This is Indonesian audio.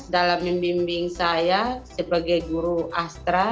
dalam membimbing saya sebagai guru astra